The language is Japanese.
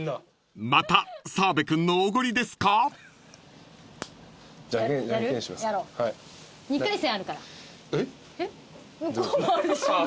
［また澤部君のおごりですか？］